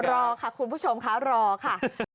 รอค่ะคุณผู้ชมค่ะรอค่ะ